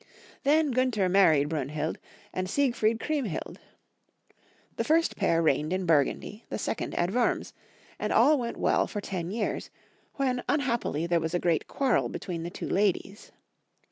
Then Gunther married Brunhild, and Siegfiried Chriemhild. The first pair reigned in Burgimdy, the second at Wurms, and all went well for ten years, when imhappUy there was a great quarrel between the two ladies.